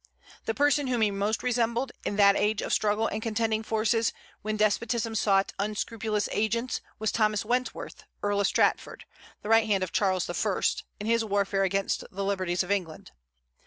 The person whom he most resembled, in that age of struggle and contending forces, when despotism sought unscrupulous agents, was Thomas Wentworth, Earl of Strafford, the right hand of Charles I., in his warfare against the liberties of England.